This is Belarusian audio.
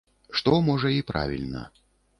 Што, можа, і правільна.